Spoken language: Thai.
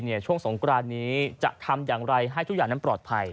ช่วงสงกรานนี้จะทำอย่างไรให้ทุกอย่างนั้นปลอดภัย